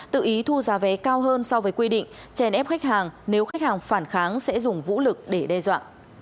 tự ý thu giá vé cao hơn so với quy định chèn ép khách hàng nếu khách hàng phản kháng sẽ dùng vũ lực để đe dọa